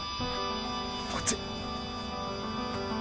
こっち。